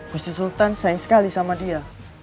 gusti sultan sayang sekali sama dia